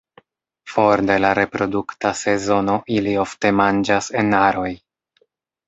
For de la reprodukta sezono ili ofte manĝas en aroj.